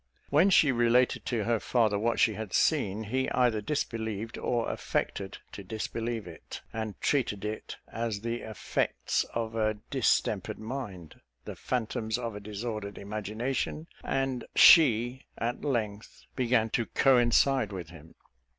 When she related to her father what she had seen, he either disbelieved or affected to disbelieve it, and treated it as the effects of a distempered mind, the phantoms of a disordered imagination; and she at length began to coincide with him.